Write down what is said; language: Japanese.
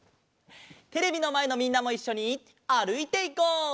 テレビのまえのみんなもいっしょにあるいていこう！